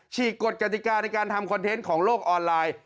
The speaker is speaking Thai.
ฉกกฎกติกาในการทำคอนเทนต์ของโลกออนไลน์